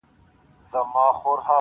ما ځکه ویلي دي چي منظور پښتین -